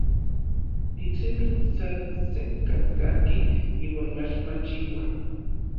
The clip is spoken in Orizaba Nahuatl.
Iksemi san sekkan kajki iuan mach machiua.